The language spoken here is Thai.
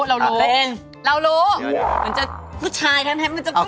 เหมือนจะผู้ชายมันจะเล็งเจ็บ